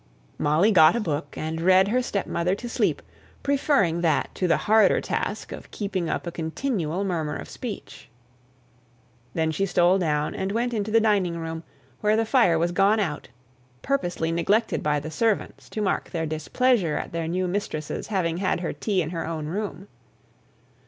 Molly got a book, and read her stepmother to sleep, preferring that to the harder task of keeping up a continual murmur of speech. Then she stole down and went into the dining room, where the fire was gone out; purposely neglected by the servants, to mark their displeasure at their new mistress's having had her tea in her own room.